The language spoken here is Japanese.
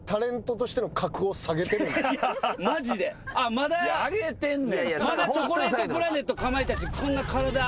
まだチョコレートプラネットかまいたち。